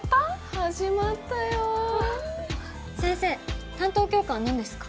始まったよ先生担当教科は何ですか？